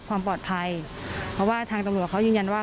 ความปลอดภัยเพราะว่าทางตำรวจเขายืนยันว่า